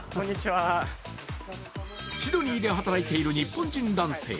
シドニーで働いている日本人男性。